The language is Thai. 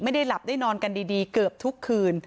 ไม่ได้หลับได้นอนกันดีเกือบทุกคืน